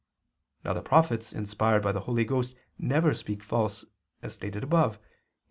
Now the prophets inspired by the Holy Ghost never speak false, as stated above (Q.